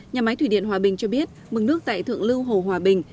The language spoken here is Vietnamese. nhà máy thủy điện hòa bình cho biết mừng nước tại thượng lưu hồ hòa bình